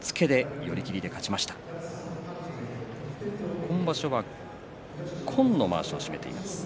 今場所、平戸海は紺のまわしをつけています。